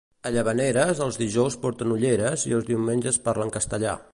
A Llavaneres els dijous porten ulleres i els diumenges parlen castellà.